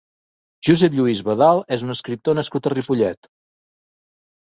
Josep Lluís Badal és un escriptor nascut a Ripollet.